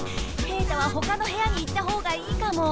平太はほかの部屋に行ったほうがいいかも。